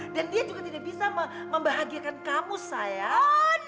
dan dia juga tidak bisa membahagiakan kamu sayang